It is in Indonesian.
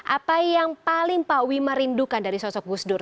apa yang paling pak wima rindukan dari sosok gus dur